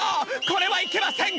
これはいけません！